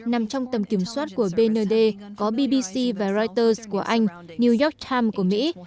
nằm trong tầm kiểm soát của bnd có bbc và reuters của anh new york times của mỹ